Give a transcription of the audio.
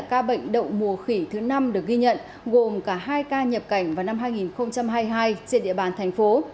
ca bệnh đậu mùa khỉ thứ năm được ghi nhận gồm cả hai ca nhập cảnh vào năm hai nghìn hai mươi hai trên địa bàn thành phố